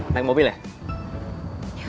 naik mobil ya